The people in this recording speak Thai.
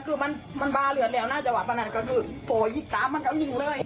คือมันมันบาเหลือแล้วน่าจะว่าพนันก็คือพ่อยิกตามมันก็วิ่งเลย